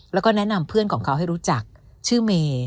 แล้วก็แนะนำเพื่อนของเขาให้รู้จักชื่อเมย์